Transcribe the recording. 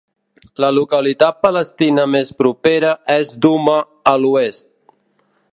La localitat palestina més propera és Duma a l'oest.